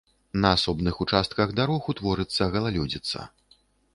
На асобных участках дарог утворыцца галалёдзіца.